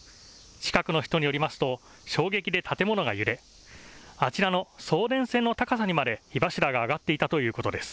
近くの人によりますと衝撃で建物が揺れあちらの送電線の高さにまで火柱が上がっていたということです。